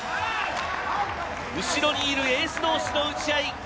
後ろにいるエース同士の打ち合い。